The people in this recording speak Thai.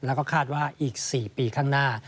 แล้วก็คาดว่าอีก๔ปีข้างหน้า